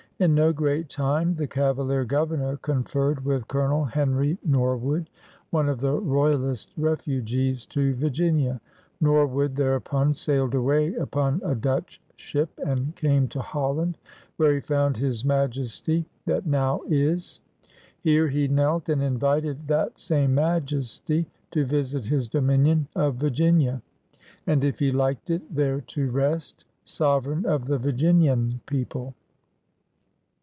In no great time the Cavalier Governor conferred with Colonel Henry Norwood, one of the royalist refugees to Virginia. Norwood thereupon sailed away upon a Dutch ship and came to Holland, where he found ^^his Majesty that now is." Here he knelt, and invited that same Majesty to visit his dominion of Virginia, and, if he liked it, there to rest, sovereign of the Virginian people.